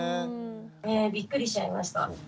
びっくりしちゃいました。